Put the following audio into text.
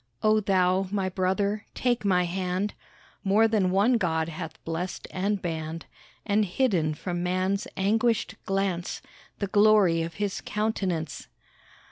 Oh thou, my brother, take my hand, More than one God hath blessed and banned And hidden from man's anguished glance The glory of his countenance.